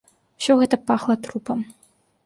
Усё гэта пахла трупам.